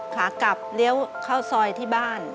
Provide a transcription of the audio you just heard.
ขากลับเลี้ยวเข้าซอยที่บ้าน